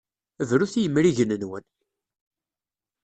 Brut i yemrigen-nwen!